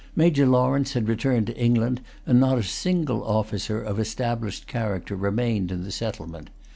Major Lawrence had returned to England; and not a single officer of established character remained in the settlement.